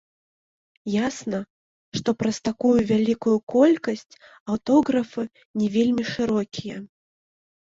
Ясна, што праз такую вялікую колькасць аўтографы не вельмі шырокія.